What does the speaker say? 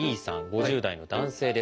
５０代の男性です。